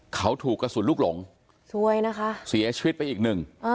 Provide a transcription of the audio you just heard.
เขาถูกกระสุนลูกหลงช่วยนะคะเสียชีวิตไปอีกหนึ่ง